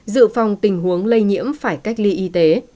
dự phòng tình huống lây nhiễm phải cách ly y tế